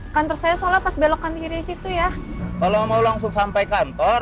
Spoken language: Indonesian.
kalau ngga mau langsung sampai kantor